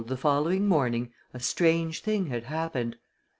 the following morning a strange thing had happened.